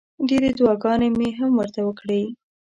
ډېرې دوعاګانې مې هم ورته وکړې.